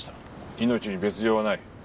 命に別条はない。